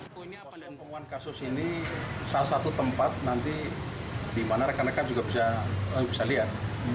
pengumuman kasus ini salah satu tempat nanti di mana rekan rekan juga bisa lihat